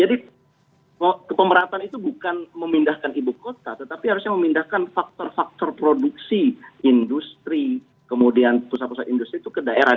jadi kepemerataan itu bukan memindahkan ibu kota tetapi harusnya memindahkan faktor faktor produksi industri kemudian pusat pusat industri itu ke daerah